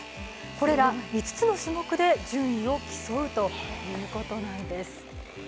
これら５つの種目で順位を競うということなんです。